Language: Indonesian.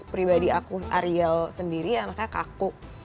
pribadi aku ariel sendiri anaknya kaku